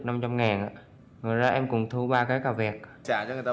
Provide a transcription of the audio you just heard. rồi ra em cũng thu ba cái cả vẹt